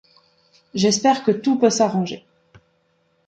J'espère que tout peut s'arranger.